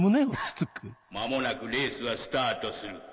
間もなくレースはスタートする。